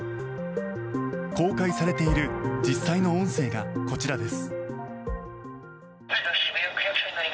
公開されている実際の音声がこちらです。